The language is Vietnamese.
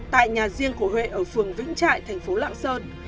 tại nhà riêng của huệ ở phường vĩnh trại thành phố lạng sơn